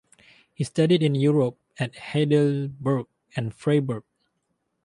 He studied in Europe at Heidelberg and Freiburg.